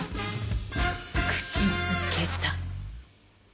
口づけだ。